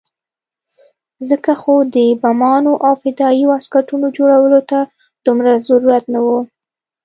ځکه خو د بمانو او فدايي واسکټونو جوړولو ته دومره ضرورت نه وو.